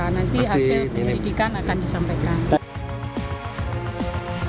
nanti hasil penyelidikan akan disampaikan